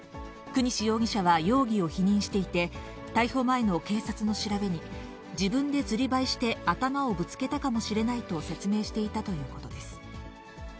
國司容疑者は容疑を否認していて、逮捕前の警察の調べに、自分でずりばいして頭をぶつけたかもしれないと説明していたということです。